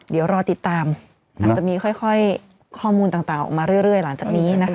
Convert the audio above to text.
เดี๋ยวรอติดตามอาจจะมีค่อยข้อมูลต่างออกมาเรื่อยหลังจากนี้นะคะ